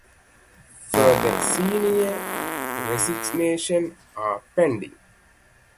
Further senior resignations are pending.